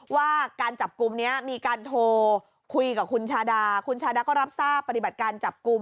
ว่าการจับกลุ่มนี้มีการโทรคุยกับคุณชาดาคุณชาดาก็รับทราบปฏิบัติการจับกลุ่ม